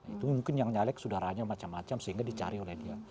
itu mungkin yang nyalek sudaranya macam macam sehingga dicari oleh dia